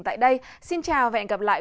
tại đây xin chào và hẹn gặp lại